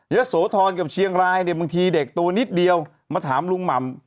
อย่าโศทรรกับเชียงรายบางที่เด็กตัวนิดเดียวมาถามลูกหม่ำ